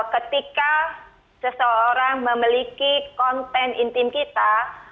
ketika seseorang memiliki konten intim kita